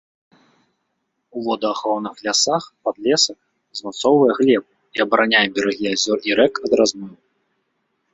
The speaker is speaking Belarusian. У водаахоўных лясах падлесак змацоўвае глебу і абараняе берагі азёр і рэк ад размыву.